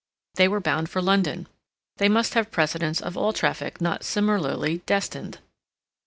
They were bound for London; they must have precedence of all traffic not similarly destined.